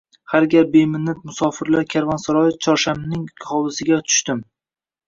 Har gal beminnat “ Mussofirlar karvonsaroyi” Chorshamning hovlisiga tushdim.